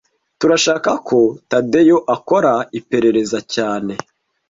Turashaka ko Tadeyo akora iperereza cyane